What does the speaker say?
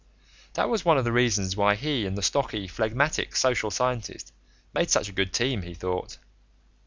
That was one of the reasons why he and the stocky, phlegmatic social scientist made such a good team, he thought.